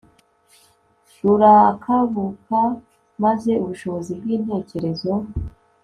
rurakabuka maze ubushobozi bwintekerezo